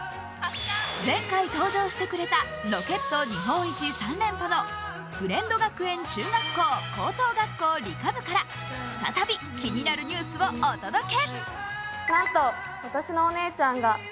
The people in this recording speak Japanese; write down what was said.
前回登場してくれたロケット日本一３連覇の普連土学園中学校・高等学校理科部から再び、うれしいニュースをお届け。